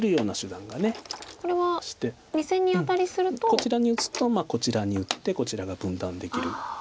こちらに打つとこちらに打ってこちらが分断できる。